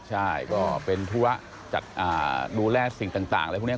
ใช่ก็เป็นธุระจัดดูแลสิ่งต่างอะไรพวกนี้